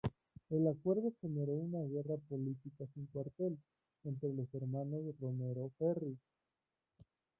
El acuerdo generó una guerra política sin cuartel, entre los hermanos Romero Feris.